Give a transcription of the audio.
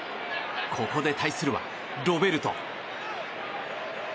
ここで対するはロベルト。